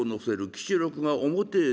吉六が表へ出る。